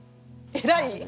偉い？